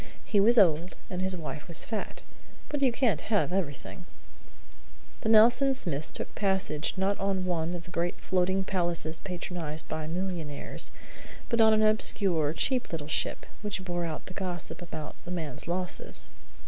He was old, and his wife was fat; but you can't have everything. The Nelson Smiths took passage not on one of the great floating palaces patronized by millionaires, but on an obscure, cheap little ship, which bore out the gossip about the man's losses.